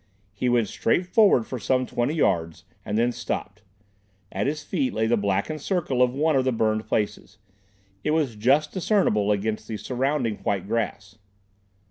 He went straight forward for some twenty yards and then stopped. At his feet lay the blackened circle of one of the burned places. It was just discernible against the surrounding white grass.